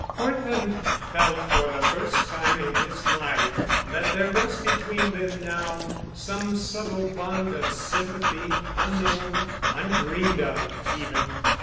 Cortland felt for the first time in his life that there was between them now some subtle bond of sympathy, unknown, undreamed of, even.